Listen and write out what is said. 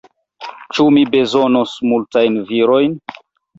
Ĉu mi bezonos multajn virojn?